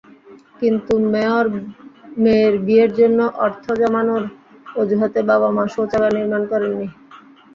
কিন্তু মেয়ের বিয়ের জন্য অর্থ জমানোর অজুহাতে বাবা-মা শৌচাগার নির্মাণ করেননি।